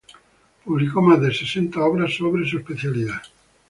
Publicó más de sesenta obras sobre su especialidad.